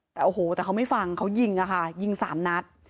แต่โอ้โหแต่เขาไม่ฟังเขายิงอะค่ะยิง๓นัด